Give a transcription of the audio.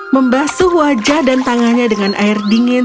membasuh wajah dan tangannya dengan air dingin